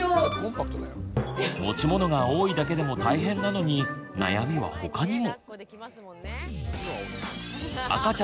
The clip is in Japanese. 持ち物が多いだけでも大変なのに悩みは他にも。